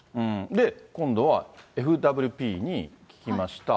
で、今度はＦＷＰに聞きました。